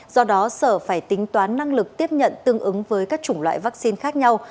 do đó sở phải tính toán năng lực tiếp nhận tương ứng với các chủng loại vaccine khác nhau